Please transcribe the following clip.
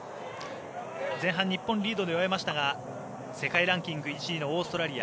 前半日本リードで終えましたが世界ランキング１位のオーストラリア。